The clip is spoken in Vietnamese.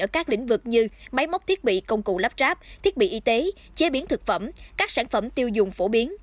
ở các lĩnh vực như máy móc thiết bị công cụ lắp ráp thiết bị y tế chế biến thực phẩm các sản phẩm tiêu dùng phổ biến